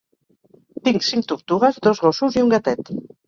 Tinc cinc tortugues, dos gossos i un gatet